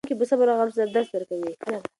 ښوونکي په صبر او زغم درس ورکوي.